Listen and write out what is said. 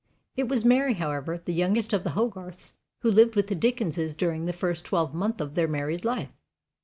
It was Mary, however, the youngest of the Hogarths, who lived with the Dickenses during the first twelvemonth of their married life.